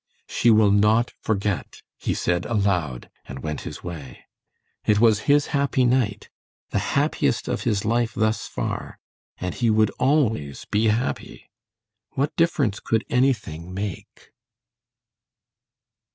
"She will not forget," he said aloud, and went on his way. It was his happy night, the happiest of his life thus far, and he would always be happy. What difference could anything make?